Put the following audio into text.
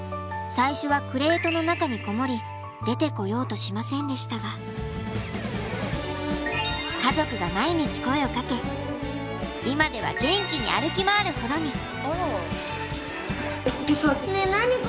最初はクレートの中にこもり出てこようとしませんでしたが家族が毎日声をかけ今では元気に歩き回るほどに。